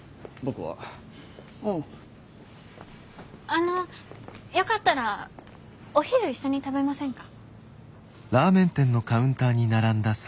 あのよかったらお昼一緒に食べませんか？